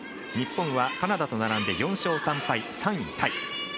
日本はカナダと並んで４勝３敗、３位タイ。